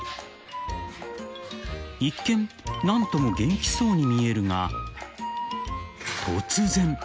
［一見何とも元気そうに見えるが突然］